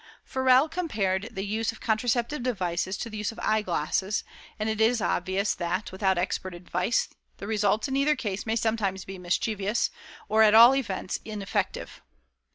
"Forel compared the use of contraceptive devices to the use of eyeglasses, and it is obvious that, without expert advice, the results in either case may sometimes be mischievous or at all events ineffective.